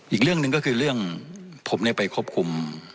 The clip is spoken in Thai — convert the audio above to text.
อีกเรื่องหนึ่งก็คือเรื่องผมไปควบคุม